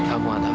aku gak tahu